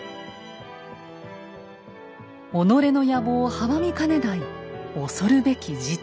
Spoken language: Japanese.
己の野望を阻みかねない恐るべき事態。